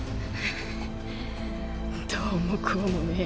どうもこうもねえ。